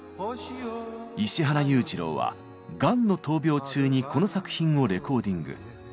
石原裕次郎はがんの闘病中にこの作品をレコーディング。